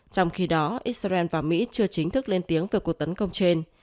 trong khi đó israel và mỹ chưa chính thức lên tiếng về cuộc tấn công trên